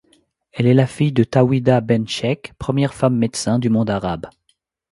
Elle est la fille de Tawhida Ben Cheikh, première femme médecin du monde arabe.